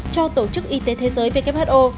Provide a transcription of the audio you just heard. cho tổ chức y tế thế giới who